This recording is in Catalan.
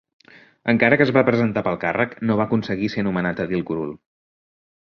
Encara que es va presentar pel càrrec, no va aconseguir ser nomenat edil curul.